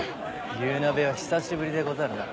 牛鍋は久しぶりでござるな。